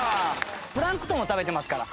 プランクトンを食べてますから。